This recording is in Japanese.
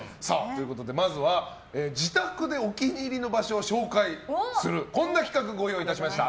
まずは自宅でお気に入りの場所を紹介するこんな企画、ご用意いたしました。